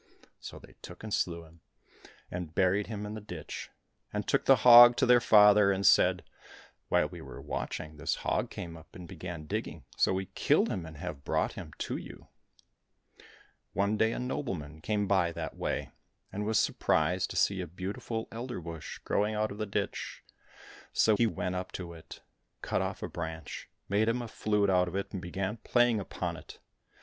So they took and slew him, and buried him in the ditch, and took the hog to their father, and said, " While we were watching, this hog came up and began digging, so we killed him and have brought him to you." One day a nobleman came by that way, and was surprised to see a beautiful elder bush growing out of the ditch ; so he went up to it, cut off a branch, made him a flute out of it, and began playing upon it.